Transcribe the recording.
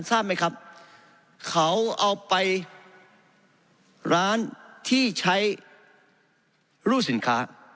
ทราบไหมครับเขาเอาไปร้านที่ใช้รูดสินค้า